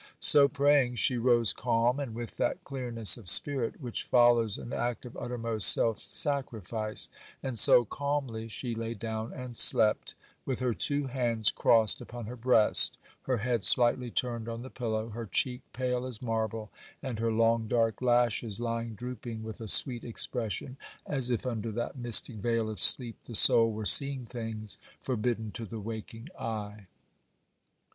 So praying, she rose calm, and with that clearness of spirit which follows an act of uttermost self sacrifice; and so calmly she lay down and slept, with her two hands crossed upon her breast, her head slightly turned on the pillow, her cheek pale as marble, and her long dark lashes lying drooping, with a sweet expression, as if under that mystic veil of sleep the soul were seeing things forbidden to the waking eye.